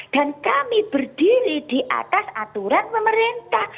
dan kami berdiri di atas aturan pemerintah